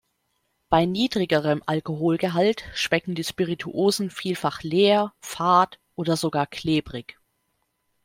Bei niedrigerem Alkoholgehalt schmecken die Spirituosen vielfach leer, fad oder sogar klebrig.